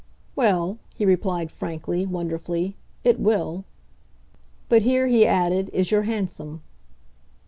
"Well," he replied frankly, wonderfully "it will. But here," he added, "is your hansom."